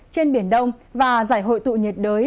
trên biển đông và giải hội tụ nhận đới